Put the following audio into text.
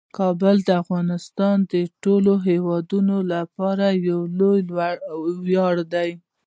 کابل د افغانستان د ټولو هیوادوالو لپاره یو لوی ویاړ دی.